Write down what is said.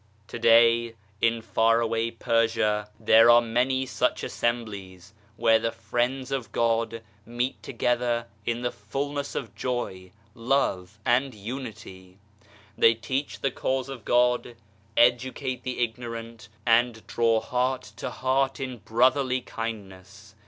To day, in far away Persia, there are many such assem 66 LECTURE IN PARIS blies where the Friends of God meet together in the fulness of joy, love and unity. They teach the Cause of God, educate the ignorant, and draw heart to heart in brotherly kindness.